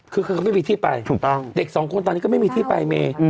คือเขาไม่มีที่ไปเด็กสองคนตอนนี้ก็ไม่มีที่ไปเม